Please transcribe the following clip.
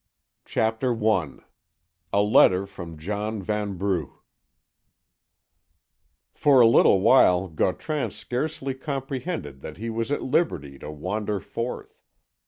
CHAPTER I A LETTER FROM JOHN VANBRUGH For a little while Gautran scarcely comprehended that he was at liberty to wander forth.